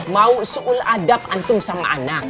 mau seul adab antum sama anak